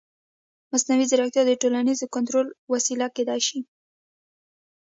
مصنوعي ځیرکتیا د ټولنیز کنټرول وسیله کېدای شي.